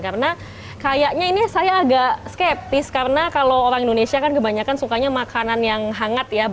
karena kayaknya ini saya agak skeptis karena kalau orang indonesia kan kebanyakan sukanya makanan yang hangat ya